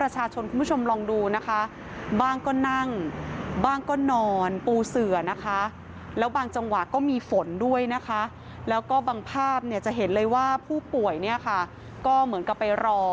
จะเห็นเลยว่าผู้ป่วยก็เหมือนกับไปรอ